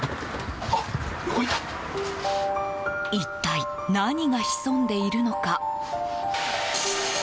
一体、何が潜んでいるのか。